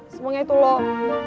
semuanya itu loh